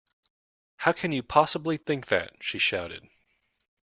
How can you possibly think that? she shouted